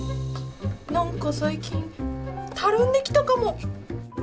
なんか最近たるんできたかも？